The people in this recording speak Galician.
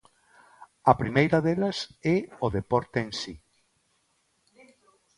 A primeira delas é o deporte en si.